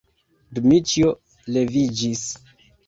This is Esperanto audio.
Dmiĉjo leviĝis.